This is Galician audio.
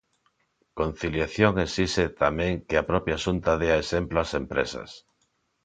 Conciliación exixe, tamén, que a propia Xunta dea exemplo ás empresas.